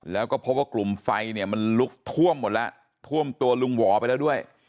แล้วก็พบว่ากลุ่มไฟเนี่ยมันลุกท่วมหมดแล้วท่วมตัวลุงหวอไปแล้วด้วย